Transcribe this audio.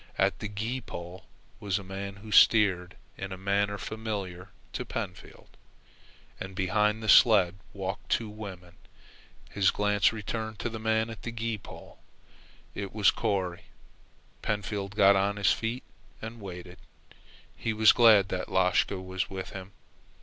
At the gee pole was a man who steered in a manner familiar to Pentfield, and behind the sled walked two women. His glance returned to the man at the gee pole. It was Corry. Pentfield got on his feet and waited. He was glad that Lashka was with him.